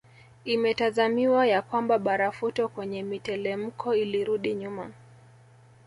Imetazamiwa ya kwamba barafuto kwenye mitelemko ilirudi nyuma